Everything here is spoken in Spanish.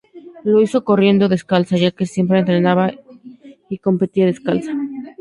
Lo hizo corriendo descalza, ya que siempre entrenaba y competía descalza.